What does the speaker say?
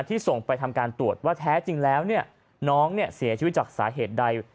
ส่งไปทำการตรวจว่าแท้จริงแล้วน้องเสียชีวิตจากสาเหตุใด